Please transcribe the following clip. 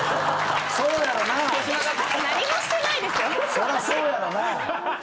そらそうやろな。